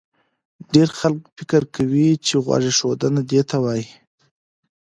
ډېری خلک فکر کوي چې غوږ ایښودنه دې ته وایي